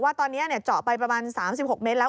ต้นแต่ตอนนี้จะจ้อไปประมาณ๓๖เมตรแล้ว